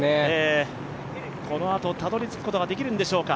このあと、たどり着くことはできるのでしょうか。